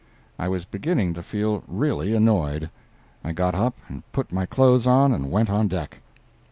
I was beginning to feel really annoyed. I got up and put my clothes on and went on deck.